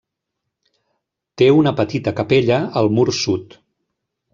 Té una petita capella al mur sud.